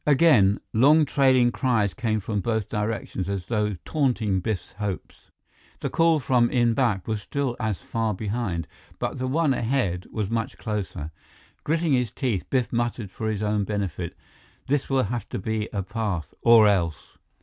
Again, long trailing cries came from both directions as though taunting Biff's hopes. The call from in back was still as far behind, but the one ahead was much closer. Gritting his teeth, Biff muttered for his own benefit, "This will have to be a path or else!"